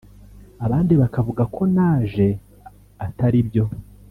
abandi bakavuga ko naje ataribyo